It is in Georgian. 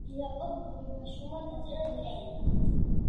იაკობ გოგებაშვილმა დაწერა დედაენა